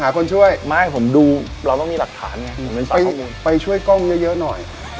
คนช่วยไม่ผมดูเราต้องมีหลักฐานไงผมไปช่วยกล้องเยอะหน่อย